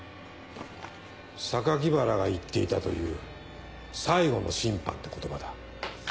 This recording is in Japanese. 原が言っていたという「最後の審判」って言葉だ。